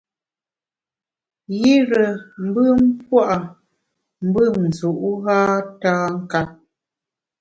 Yire mbùm pua’ mbùm nzu’ gha tâ nkap.